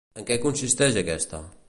En què consisteix aquesta?